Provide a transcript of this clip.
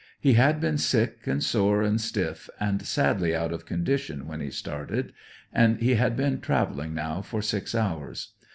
He had been sick, and sore, and stiff, and sadly out of condition when he started; and he had been travelling now for six hours.